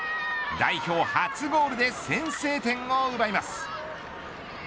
代表初ゴールで先制点を奪います。